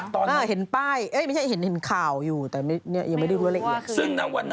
ถึงลูกถึงคน